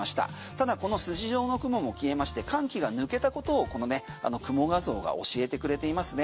ただこの筋状の雲も消えまして寒気が抜けたことを雲画像が教えてくれていますね。